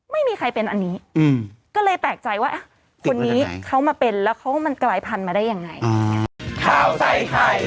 ไม่มีใครเป็นอันนี้ก็เลยแปลกใจว่าคนนี้เขามาเป็นแล้วเขามันกลายพันธุ์มาได้ยังไง